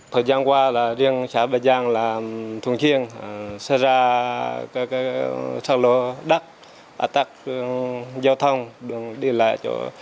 thời gian qua riêng xã ba giang là thường chiên xả ra các sạt lửa đắt áp tắc giao thông đường đi lại chỗ